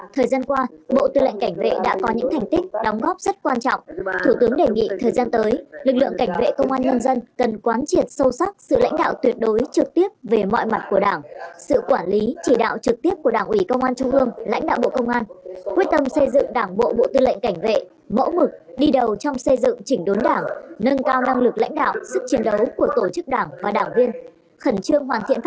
thời gian qua bộ tư lệnh cảnh vệ đã có những thành tích đóng góp rất quan trọng thủ tướng đề nghị thời gian tới lực lượng cảnh vệ công an nhân dân cần quán triển sâu sắc sự lãnh đạo tuyệt đối trực tiếp về mọi mặt của đảng sự quản lý chỉ đạo trực tiếp của đảng ủy công an trung ương lãnh đạo bộ công an quyết tâm xây dựng đảng bộ bộ tư lệnh cảnh vệ mẫu ngực đi đầu trong xây dựng chỉnh đốn đảng nâng cao năng lực lãnh đạo sức chiến đấu của tổ chức đảng và đảng viên khẩn trương hoàn